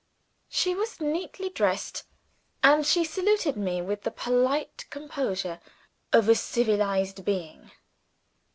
She was neatly dressed, and she saluted me with the polite composure of a civilized being.